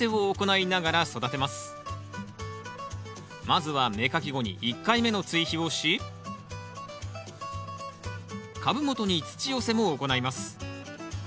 まずは芽かき後に１回目の追肥をし株元に土寄せも行います。